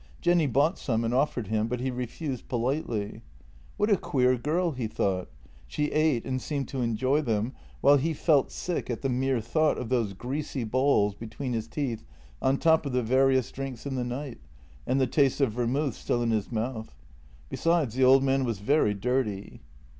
Jenny bought some and offered him, but he refused politely. What a queer girl, he thought. She ate and seemed to enjoy them, while he felt sick at the mere thought of those greasy balls between his teeth on top of the various drinks in the night, and the taste of vermouth still in his mouth. Besides, the old man was very dirty.